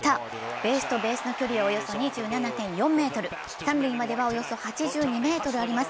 ベースとベースの距離はおよそ２７．４ｍ、三塁までは、およそ８２ｍあります